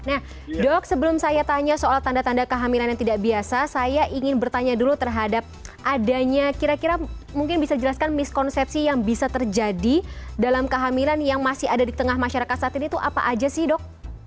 nah dok sebelum saya tanya soal tanda tanda kehamilan yang tidak biasa saya ingin bertanya dulu terhadap adanya kira kira mungkin bisa dijelaskan miskonsepsi yang bisa terjadi dalam kehamilan yang masih ada di tengah masyarakat saat ini itu apa aja sih dok